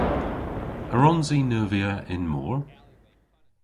A wrons i neuvya y'n mor?